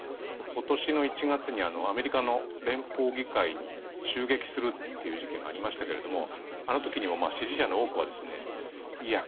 今年の１月にアメリカの連邦議会に襲撃するっていう事件がありましたけれどもあの時にもまあ支持者の多くはですねいや